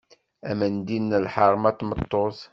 Amendil d lḥerma n tmeṭṭut.